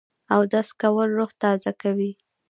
اودس کول روح تازه کوي